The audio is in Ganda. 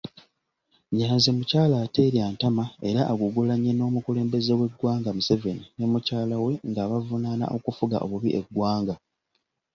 Nyanzi mukyala aterya ntama era agugulanye n'omukulembeze w'eggwanga Museveni ne mukyalawe ng'abavunaana okufuga obubi eggwanga.